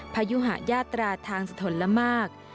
พยุหะยาตราทางสถนละมาก